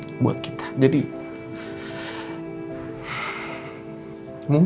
kamu harus ignoring